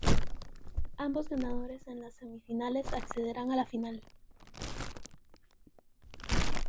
Ambos ganadores en las semifinales accederán a la final.